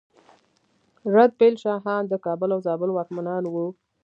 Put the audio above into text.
رتبیل شاهان د کابل او زابل واکمنان وو